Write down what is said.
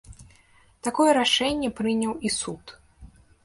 Такое рашэнне прыняў і суд.